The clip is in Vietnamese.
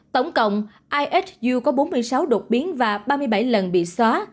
tổng cộng isu có bốn mươi sáu đột biến và ba mươi bảy lần bị xóa